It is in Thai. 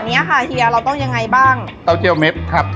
นี่เรียบร้อยแล้วค่ะ